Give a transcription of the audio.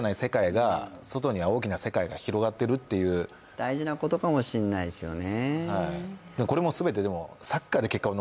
大事なこともしれないですよね。